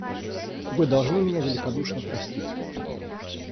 Вы должны меня великодушно простить...